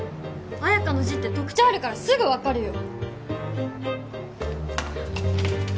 彩花の字って特徴あるからすぐ分かるよ